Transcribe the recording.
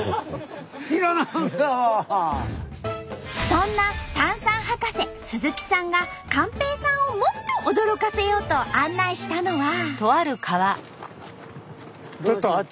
そんな炭酸博士鈴木さんが寛平さんをもっと驚かせようと案内したのは。